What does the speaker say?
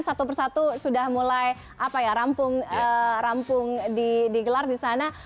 satu persatu sudah mulai rampung digelar di sana